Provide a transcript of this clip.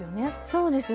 そうです。